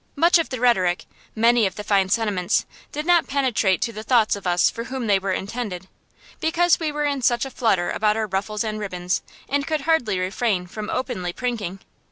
Much of the rhetoric, many of the fine sentiments did not penetrate to the thoughts of us for whom they were intended, because we were in such a flutter about our ruffles and ribbons, and could hardly refrain from openly prinking.